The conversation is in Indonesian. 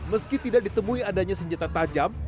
meski tidak ditemui adanya senjata tajam